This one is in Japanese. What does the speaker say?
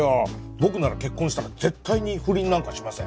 僕なら結婚したら絶対に不倫なんかしません。